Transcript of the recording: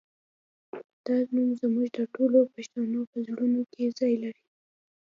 دا نوم زموږ د ټولو پښتنو په زړونو کې ځای لري